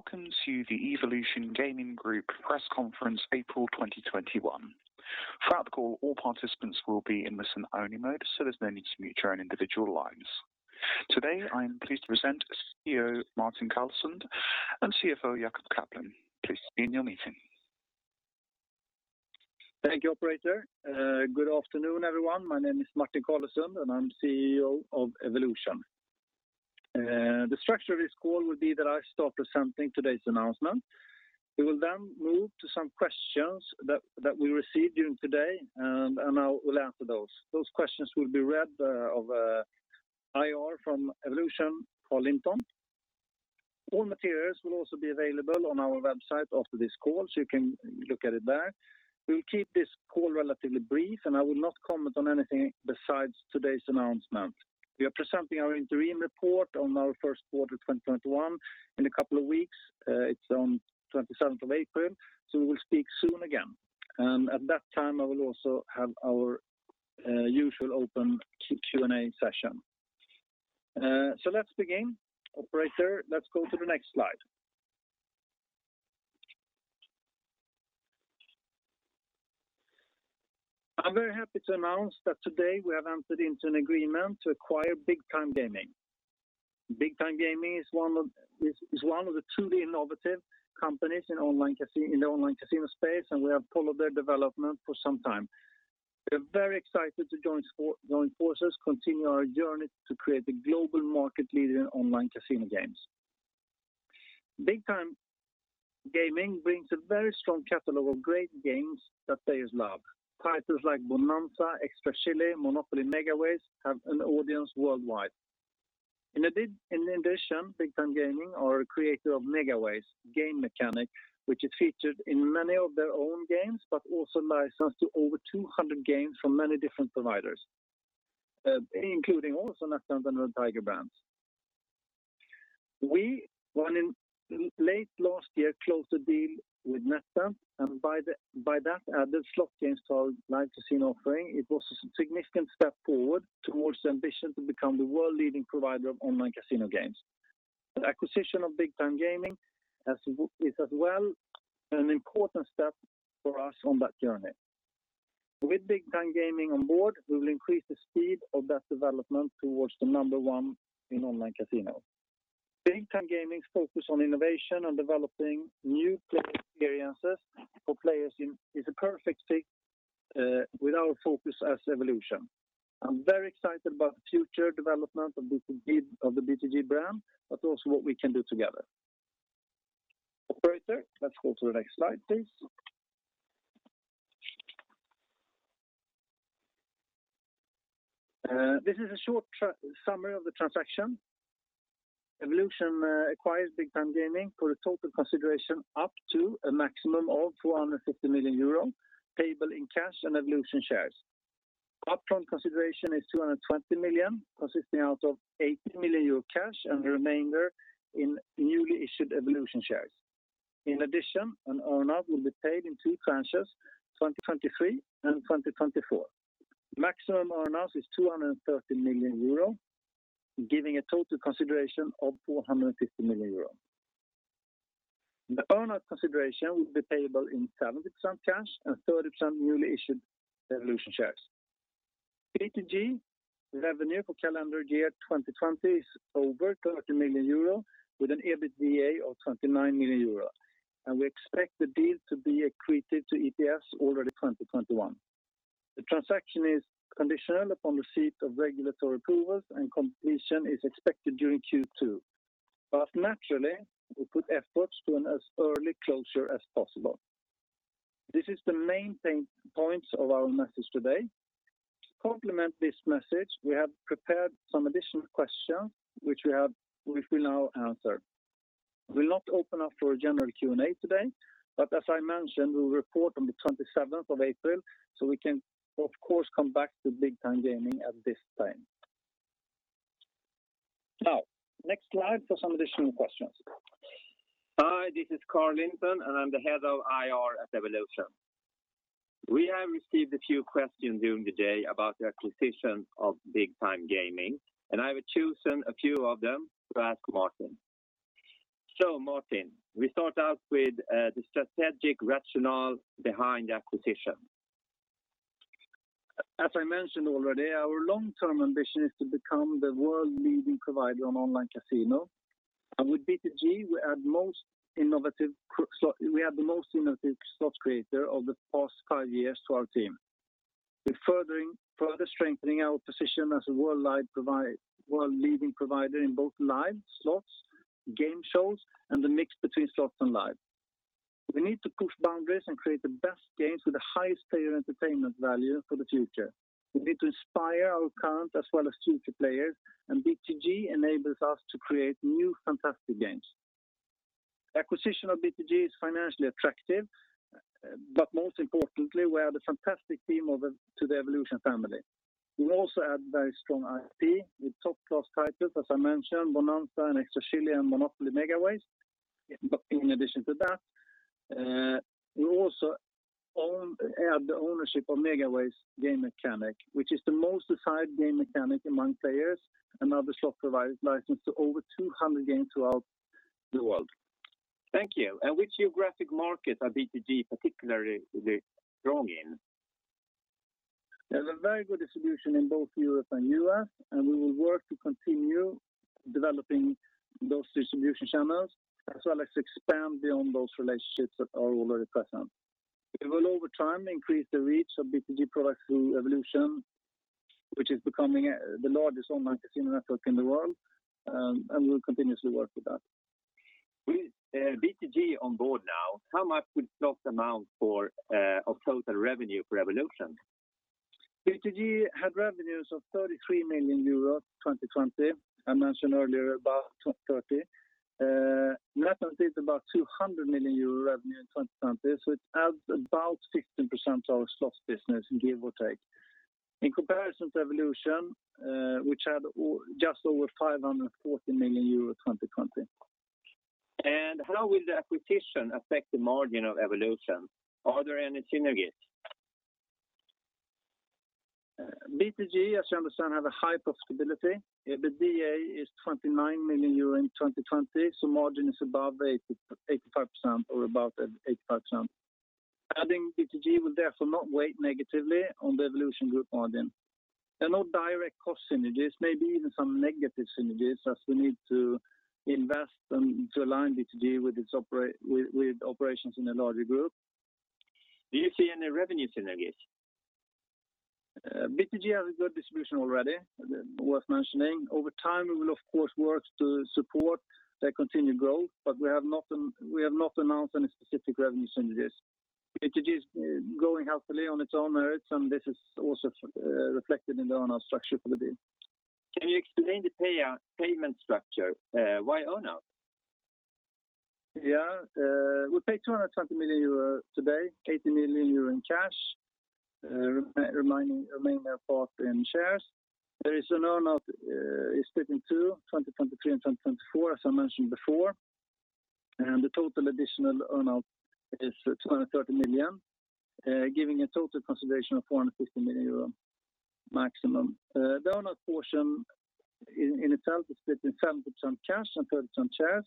Welcome to the Evolution Gaming Group Press Conference April 2021. Throughout the call, all participants will be in listen-only mode, so there's no need to mute your own individual lines. Today, I am pleased to present CEO Martin Carlesund and CFO Jacob Kaplan. Thank you, operator. Good afternoon, everyone. My name is Martin Carlesund. I'm CEO of Evolution. The structure of this call will be that I start presenting today's announcement. We will then move to some questions that we received during today. I will answer those. Those questions will be read of IR from Evolution, Carl Linton. All materials will also be available on our website after this call. You can look at it there. We'll keep this call relatively brief. I will not comment on anything besides today's announcement. We are presenting our interim report on our first quarter 2021 in a couple of weeks. It's on 27th of April. We will speak soon again. At that time, I will also have our usual open Q&A session. Let's begin. Operator, let's go to the next slide. I'm very happy to announce that today we have entered into an agreement to acquire Big Time Gaming. Big Time Gaming is one of the truly innovative companies in the online casino space, and we have followed their development for some time. We're very excited to join forces, continue our journey to create the global market leader in online casino games. Big Time Gaming brings a very strong catalog of great games that players love. Titles like Bonanza, Extra Chilli, Monopoly Megaways have an audience worldwide. In addition, Big Time Gaming are a creator of Megaways game mechanic, which is featured in many of their own games, but also licensed to over 200 games from many different providers, including also NetEnt and Red Tiger brands. We late last year closed a deal with NetEnt, and by that added slot games to our live casino offering. It was a significant step forward towards the ambition to become the world-leading provider of online casino games. The acquisition of Big Time Gaming is as well an important step for us on that journey. With Big Time Gaming on board, we will increase the speed of that development towards the number one in online casino. Big Time Gaming's focus on innovation and developing new play experiences for players is a perfect fit with our focus as Evolution. I'm very excited about the future development of the BTG brand, but also what we can do together. Operator, let's go to the next slide, please. This is a short summary of the transaction. Evolution acquires Big Time Gaming for a total consideration up to a maximum of €450 million, payable in cash and Evolution shares. Upfront consideration is 220 million, consisting out of 80 million euro cash and the remainder in newly issued Evolution shares. In addition, an earn-out will be paid in two tranches, 2023 and 2024. Maximum earn-outs is 230 million euro, giving a total consideration of 450 million euro. The earn-out consideration will be payable in 70% cash and 30% newly issued Evolution shares. BTG revenue for calendar year 2020 is over 30 million euro with an EBITDA of 29 million euro. We expect the deal to be accretive to EPS already 2021. The transaction is conditional upon receipt of regulatory approvals and completion is expected during Q2. Naturally, we put efforts to an as early closure as possible. This is the main points of our message today. To complement this message, we have prepared some additional questions which we'll now answer. We'll not open up for a general Q&A today, but as I mentioned, we'll report on the 27th of April, so we can, of course, come back to Big Time Gaming at this time. Next slide for some additional questions. Hi, this is Carl Linton, and I'm the Head of IR at Evolution. We have received a few questions during the day about the acquisition of Big Time Gaming, and I have chosen a few of them to ask Martin. Martin, we start out with the strategic rationale behind the acquisition. As I mentioned already, our long-term ambition is to become the world-leading provider on online casino. With BTG, we add the most innovative slot creator of the past five years to our team. We're further strengthening our position as a world-leading provider in both live slots, game shows, and the mix between slots and live. We need to push boundaries and create the best games with the highest player entertainment value for the future. We need to inspire our current as well as future players, and BTG enables us to create new fantastic games. Acquisition of BTG is financially attractive, but most importantly, we add a fantastic team to the Evolution family. We also add very strong IP with top-class titles, as I mentioned, Bonanza and Extra Chilli and Monopoly Megaways. In addition to that we also add the ownership of Megaways game mechanic, which is the most desired game mechanic among players and other software providers licensed to over 200 games throughout the world. Thank you. Which geographic markets are BTG particularly really strong in? They have a very good distribution in both Europe and U.S., and we will work to continue developing those distribution channels, as well as expand beyond those relationships that are already present. We will, over time, increase the reach of BTG products through Evolution, which is becoming the largest online casino network in the world, and we will continuously work with that. With BTG on board now, how much would slots amount for of total revenue for Evolution? BTG had revenues of 33 million euros 2020. I mentioned earlier about 30. NetEnt did about 200 million euro revenue in 2020, it adds about 16% of our slots business, give or take. In comparison to Evolution, which had just over 540 million euros 2020. How will the acquisition affect the margin of Evolution? Are there any synergies? BTG, as you understand, have a high profitability. The EBITDA is 29 million euro in 2020, margin is above 85% or about 85%. Adding BTG will therefore not weigh negatively on the Evolution group margin. There are no direct cost synergies, maybe even some negative synergies as we need to invest and to align BTG with operations in a larger group. Do you see any revenue synergies? BTG has a good distribution already, worth mentioning. Over time, we will of course work to support their continued growth, but we have not announced any specific revenue synergies. BTG is growing healthily on its own merits, and this is also reflected in the earn-out structure for the deal. Can you explain the payment structure? Why earn-out? Yeah. We pay 220 million euros today, 80 million euros in cash, remaining are bought in shares. There is an earn-out split in two, 2023 and 2024, as I mentioned before. The total additional earn-out is 230 million, giving a total consideration of 450 million euro maximum. The earn-out portion in itself is split in 70% cash and 30% shares.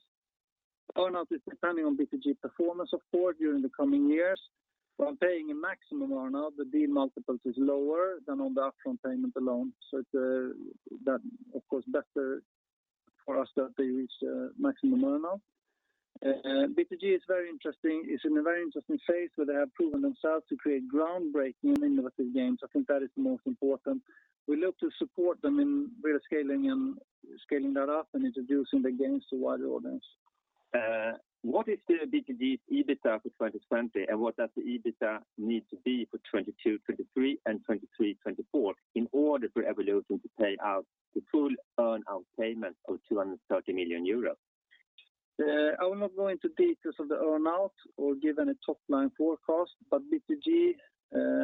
Earn-out is depending on BTG performance, of course, during the coming years. I'm paying a maximum earn-out. That, of course, better for us that they reach maximum earn-out. BTG is in a very interesting phase where they have proven themselves to create groundbreaking and innovative games. I think that is the most important. We look to support them in really scaling that up and introducing the games to a wider audience. What is the BTG's EBITDA for 2020, and what does the EBITDA need to be for 2022, 2023 and 2023, 2024 in order for Evolution to pay out the full earn-out payment of 230 million euros? I will not go into details of the earn-out or give any top-line forecast, but BTG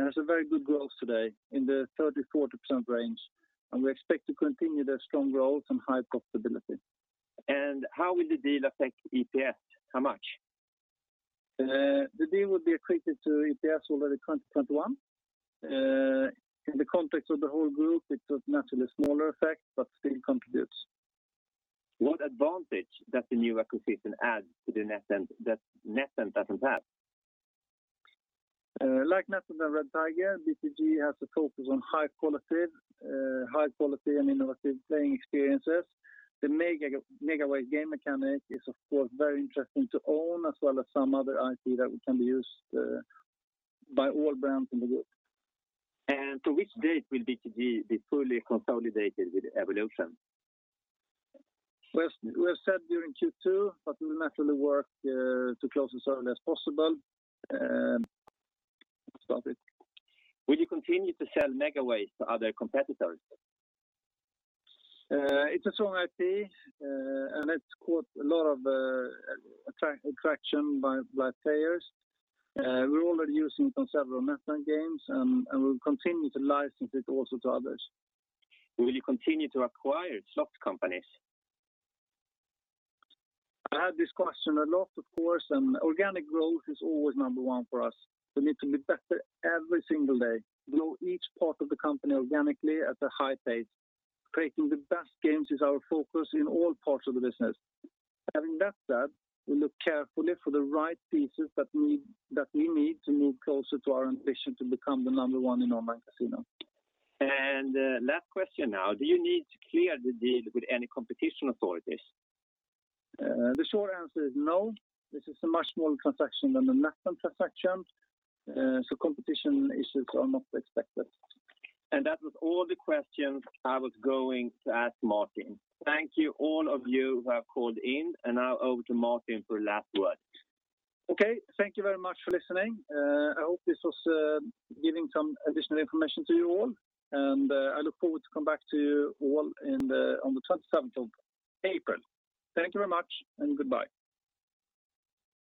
has a very good growth today in the 30%-40% range, and we expect to continue their strong growth and high profitability. How will the deal affect EPS? How much? The deal will be accretive to EPS over the 2021. In the context of the whole group, it's of naturally smaller effect, but still contributes. What advantage does the new acquisition add that NetEnt doesn't have? Like NetEnt and Red Tiger, BTG has a focus on high quality and innovative playing experiences. The Megaways game mechanic is, of course, very interesting to own, as well as some other IP that can be used by all brands in the group. To which date will BTG be fully consolidated with Evolution? We have said during Q2, we will naturally work to close as early as possible. Will you continue to sell Megaways to other competitors? It's a strong IP, and it's caught a lot of attraction by players. We're already using it on several NetEnt games, and we will continue to license it also to others. Will you continue to acquire slot companies? I have this question a lot, of course. Organic growth is always number one for us. We need to be better every single day, grow each part of the company organically at a high pace. Creating the best games is our focus in all parts of the business. Having that said, we look carefully for the right pieces that we need to move closer to our ambition to become the number one in online casino. Last question now. Do you need to clear the deal with any competition authorities? The short answer is no. This is a much smaller transaction than the NetEnt transaction, so competition issues are not expected. That was all the questions I was going to ask Martin. Thank you all of you who have called in. Now over to Martin for last words. Okay, thank you very much for listening. I hope this was giving some additional information to you all, and I look forward to come back to you all on the 27th of April. Thank you very much and goodbye.